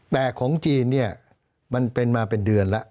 แต่ของจีนเนี่ยมันเป็นมาเป็นเดือนแล้ว